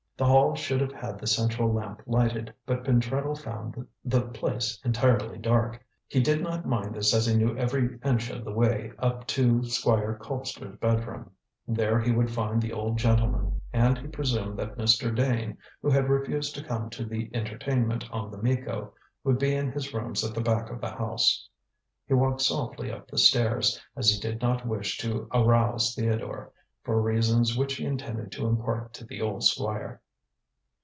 The hall should have had the central lamp lighted, but Pentreddle found the place entirely dark. He did not mind this, as he knew every inch of the way up to Squire Colpster's bedroom. There he would find the old gentleman, and he presumed that Mr. Dane who had refused to come to the entertainment on The Miko would be in his rooms at the back of the house. He walked softly up the stairs, as he did not wish to arouse Theodore, for reasons which he intended to impart to the old Squire.